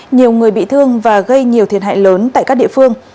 nhiều người bị thương và gây nhiều thiệt hại lớn tại các địa phương